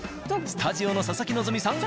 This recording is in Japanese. スタジオの佐々木希さん